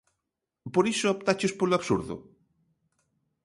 Por iso optaches polo absurdo?